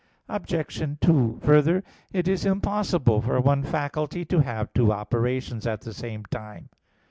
Obj. 2: Further, it is impossible for one faculty to have two operations at the same time.